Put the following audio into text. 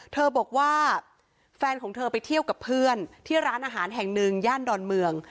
เธอบอกว่าแฟนของเธอไปเที่ยวกับเพื่อนที่ร้านอาหารแห่งหนึ่งย่านดอนเมือง